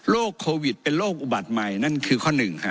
โควิดเป็นโรคอุบัติใหม่นั่นคือข้อหนึ่งฮะ